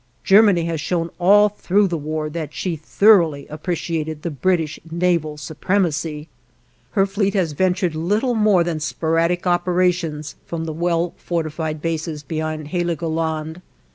Germany has shown all through the war that she thoroughly appreciated the British naval supremacy. Her fleet has ventured little more than sporadic operations from the well fortified bases behind Heligoland.